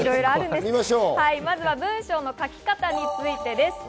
まずは文章の書き方についてです。